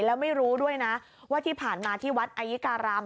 แล้วไม่รู้ด้วยนะว่าที่ผ่านมาที่วัดอายุการาม